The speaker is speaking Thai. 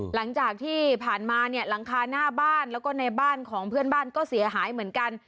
หลังจากที่ผ่านมาเนี่ยหลังคาหน้าบ้านแล้วก็ในบ้านของเพื่อนบ้านก็เสียหายเหมือนกัน